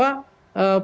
artinya memastikan bahwa